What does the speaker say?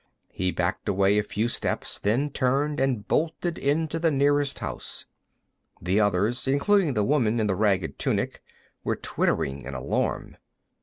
He backed away a few steps, then turned and bolted into the nearest house. The others, including the woman in the ragged tunic, were twittering in alarm.